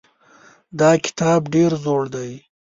دا کتاب ډېر زوړ دی.